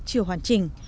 chưa hoàn chỉnh